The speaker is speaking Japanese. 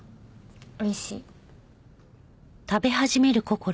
おいしい。